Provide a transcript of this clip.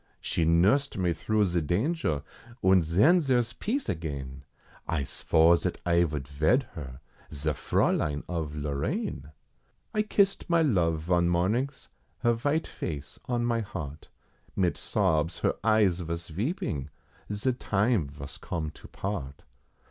She nursed me through ze danger, und ven zere's peace again, I svore zat I vould ved her, ze Fraulein of Lorraine. I kissed my love von mornings, her vite face on my heart, Mit sobs her eyes vos veeping, ze time vos come to part.